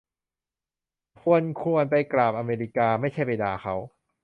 คุณควรไปกราบอเมริกา ไม่ใช่ไปด่าเขา